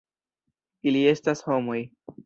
Ili estas homoj.